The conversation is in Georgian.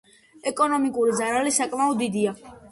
ეკონომიკური ზარალი საკმაოდ დიდია.